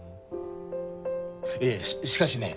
いえしかしね